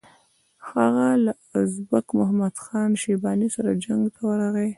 هغه له ازبک محمد خان شیباني سره جنګ ته ورغی.